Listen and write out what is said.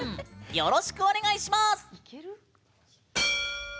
よろしくお願いします。